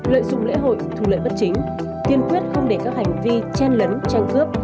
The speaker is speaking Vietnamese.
lợi dụng lễ hội thu lợi bất chính kiên quyết không để các hành vi chen lấn tranh cướp